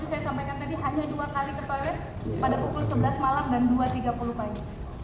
pukul sebelas malam dan dua tiga puluh pagi